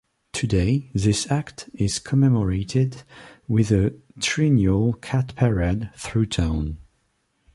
Today, this act is commemorated with a triennial Cat Parade through town.